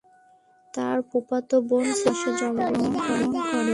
তার ফুফাতো বোন সেপ্টেম্বর মাসে জন্মগ্রহণ করে।